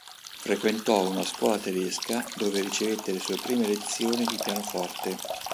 Frequentò una scuola tedesca dove ricevette le sue prime lezioni di pianoforte.